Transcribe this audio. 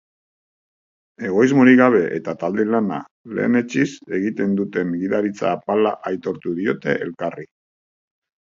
Egoismorik gabe eta talde lana lehenetsiz egiten duten gidaritza apala aitortu diote elkarri.